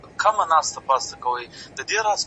چي كله مخ ښكاره كړي